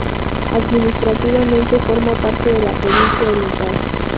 Administrativamente forma parte de la provincia Oriental.